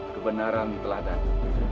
kebenaran telah datang